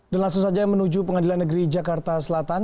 dan langsung saja menuju pengadilan negeri jakarta selatan